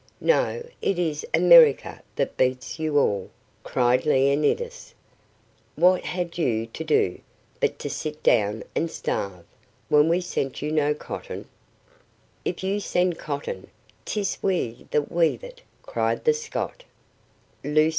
"No; it is America that beats you all," cried Leonidas; "what had you to do, but to sit down and starve, when we sent you no cotton?" "If you send cotton, 'tis we that weave it," cried the Scot.